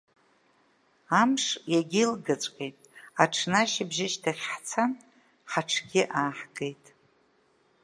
Амш иагьеилгаҵәҟьеит, аҽны ашьыбжьышьҭахь ҳцан, ҳаҽгьы ааҳгеит.